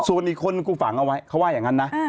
ส่วนอีกคนนึงกูฝังเอาไว้เขาว่าอย่างนั้นนะ